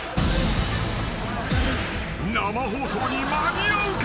［生放送に間に合うか？］